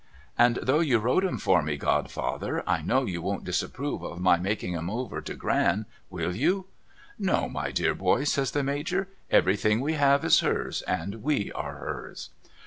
And though you wrote 'em for me, godfather, I know you won't disapprove of my making 'em over to Gran; will you ?'' No, my dear boy,' says the Major. ' Everything we have is hers, and we are hers.'